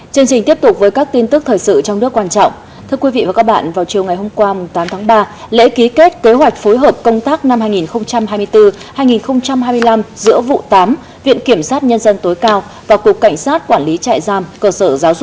chương trình tiếp tục với các tin tức thời sự trong nước quan trọng